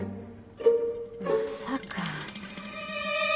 まさか。